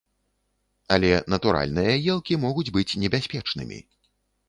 Але натуральныя елкі могуць быць небяспечнымі.